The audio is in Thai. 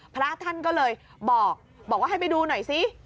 พระท่านก็เลยบอกว่าให้ไปดูหน่อยซิ